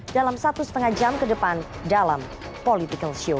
dalam satu setengah jam ke depan dalam political show